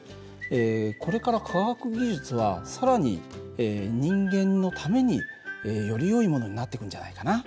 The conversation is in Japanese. これから科学技術は更に人間のためによりよいものになっていくんじゃないかな。